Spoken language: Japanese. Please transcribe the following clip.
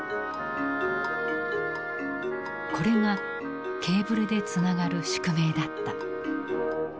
これがケーブルでつながる宿命だった。